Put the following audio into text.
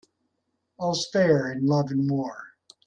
All's fair in love and war.